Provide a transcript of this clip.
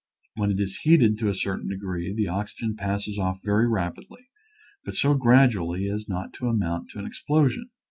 When it is heated to a cer tain degree the oxygen passes off very rapidly, but so gradually as not to amount to an ex plosion.